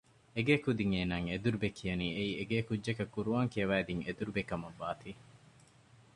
އެގޭ ކުދިން އޭނާއަށް އެދުރުބެ ކިޔަނީ އެއީ އެގޭ ކުއްޖަކަށް ޤުރްއާން ކިޔަވައިދިން އެދުރުބެ ކަމަށް ވާތީ